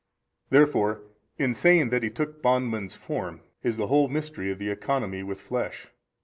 Therefore in saying that He took bondman's form, is the whole mystery of the Economy with flesh.